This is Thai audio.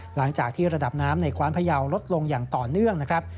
หลังจากที่ระดับน้ำในกว้านพยาวลดลงอย่างต่อเนื่องนะครับ